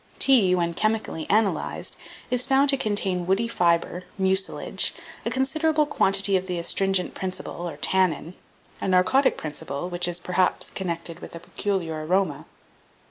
1796. Tea, when chemically analyzed, is found to contain woody fibre, mucilage, a considerable quantity of the astringent principle, or tannin, a narcotic principle, which is, perhaps, connected with a peculiar aroma.